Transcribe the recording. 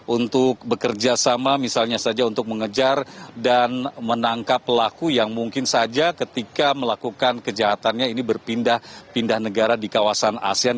untuk bekerja sama misalnya saja untuk mengejar dan menangkap pelaku yang mungkin saja ketika melakukan kejahatannya ini berpindah pindah negara di kawasan asean